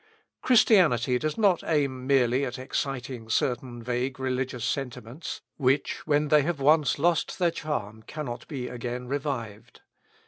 Christianity does not aim merely at exciting certain vague religious sentiments, which, when they have once lost their charm, cannot be again revived.